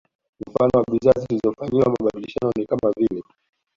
Mfano wa bidhaa zilizofanyiwa mabadilishano ni kama vile